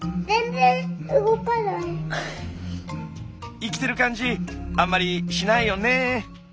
生きてる感じあんまりしないよね。